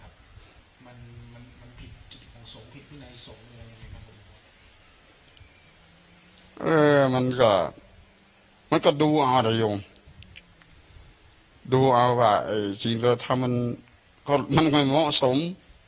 บ๊วยบริษัทเอ่อมันก็มันก็ดูเอาแต่ยงดูเอาว่าสิ่งที่เราทำมันมันไม่เหมาะสม